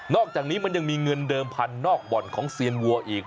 อกจากนี้มันยังมีเงินเดิมพันนอกบ่อนของเซียนวัวอีก